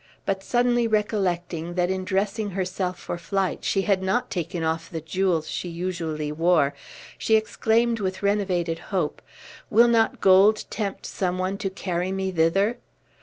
But suddenly recollecting that in dressing herself for flight she had not taken off the jewels she usually wore, she exclaimed with renovated hope, "Will not gold tempt some one to carry me thither?"